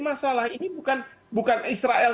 masalah ini bukan israel